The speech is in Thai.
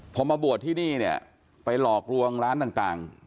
พอมาบวชที่นี่เนี่ยไปหลอกลวงร้านต่าง